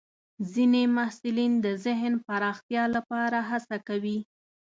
ځینې محصلین د ذهن پراختیا لپاره هڅه کوي.